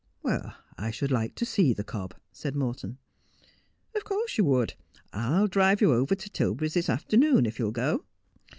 "'' I should like to see the cob,' said Morton. ' Of course you would. I'll drive you over to Tilberry's this afternoon, if you'll go.'